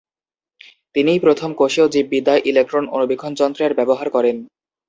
তিনিই প্রথম কোষীয় জীববিদ্যায় ইলেকট্রন অণুবীক্ষণ যন্ত্রের ব্যবহার করেন।